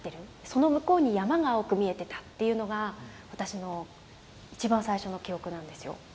その向こうに山が青く見えてたっていうのが私の一番最初の記憶なんですよ。